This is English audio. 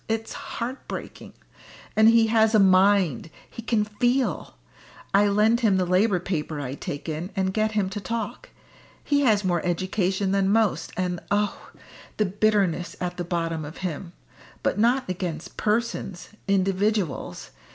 It's heart breaking. And he has a mind; he can feel! I lend him the Labour paper I take in, and get him to talk. He has more education than most, and oh! the bitterness at the bottom of him. But not against persons individuals.